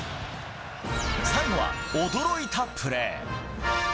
最後は驚いたプレー。